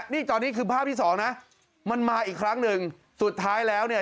นี่ตอนนี้คือภาพที่สองนะมันมาอีกครั้งหนึ่งสุดท้ายแล้วเนี่ย